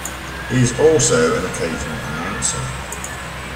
He is also an occasional announcer.